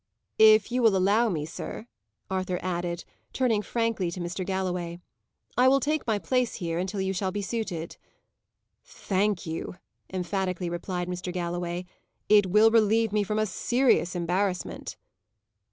"If you will allow me, sir," Arthur added, turning frankly to Mr. Galloway, "I will take my place here, until you shall be suited." "Thank you," emphatically replied Mr. Galloway. "It will relieve me from a serious embarrassment."